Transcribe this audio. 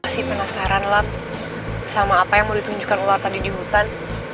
sih penasaran lah sama apa yang mau ditunjukkan ular tadi di hutan